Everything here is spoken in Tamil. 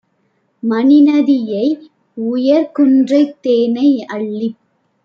மணிநதியை, உயர்குன்றைத் தேனை அள்ளிப்